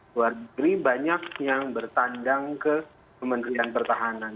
luar negeri banyak yang bertandang ke kementerian pertahanan